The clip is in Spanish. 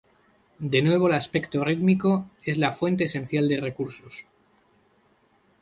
De nuevo el aspecto rítmico es la fuente esencial de recursos.